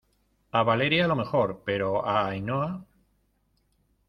a Valeria a lo mejor, pero a Ainhoa